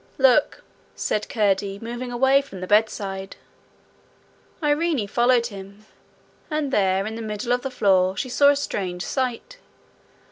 'Look,' said Curdie, moving away from the bedside. Irene followed him and there, in the middle of the floor, she saw a strange sight.